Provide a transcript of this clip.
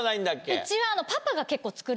うちは。